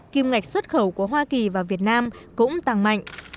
kim ngạch xuất khẩu của hoa kỳ và việt nam cũng tăng mạnh